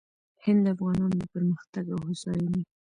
هند د افغانانو د پرمختګ او هوساینې